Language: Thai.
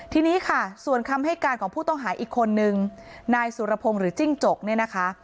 ทีนี้ส่วนคำให้การของผู้ต้องหาอีกคนนึงนายสุรพงศ์หรือจิ้งจก